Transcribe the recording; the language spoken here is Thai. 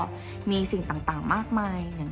จนดิวไม่แน่ใจว่าความรักที่ดิวได้รักมันคืออะไร